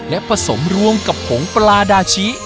และผสมรวมกับผงปลาดาชิ